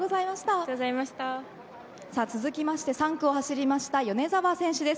お疲れさまでした続きまして３区を走りました米澤選手です。